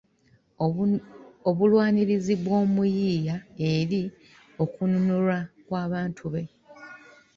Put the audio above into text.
Obulwanirizi bw’omuyiiya eri okununulwa kw’abantu be